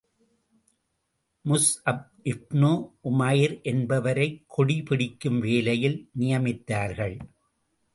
Musab ibn Umair என்பவரைக் கொடி பிடிக்கும் வேலையில் நியமித்தார்கள்.